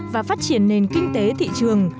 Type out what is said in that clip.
và phát triển nền kinh tế thị trường